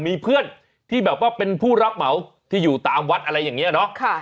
มีเพื่อนที่แบบว่าเป็นผู้รับเหมาที่อยู่ตามวัดอะไรอย่างนี้เนาะ